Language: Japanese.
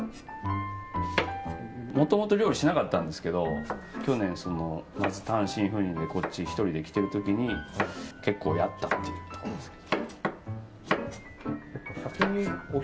もともと料理しなかったんですけど去年単身赴任でこっち１人できてる時に結構やったというか。